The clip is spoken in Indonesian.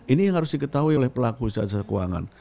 ini yang harus diketahui oleh pelaku usaha jasa keuangan